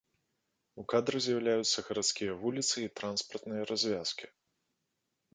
У кадры з'яўляюцца гарадскія вуліцы і транспартныя развязкі.